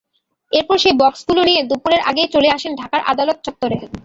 এরপর সেই বক্সগুলো নিয়ে দুপুরের আগেই চলে আসেন ঢাকার আদালত চত্বরে।